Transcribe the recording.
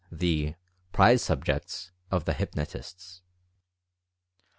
THE "PRIZE SUBJECTS^ OF THE HYPNOTISTS.